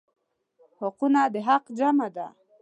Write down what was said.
حقونه د حق جمع ده.